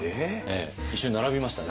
一緒に並びましたね。